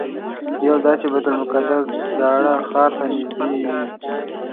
یو دا چې بیت المقدس زاړه ښار ته نږدې وي.